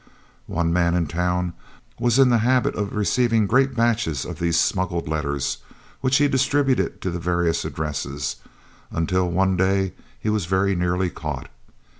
One man in town was in the habit of receiving great batches of these smuggled letters, which he distributed to the various addresses, until one day he was very nearly caught.